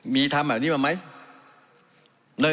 มีทำแบบนี้มาไหม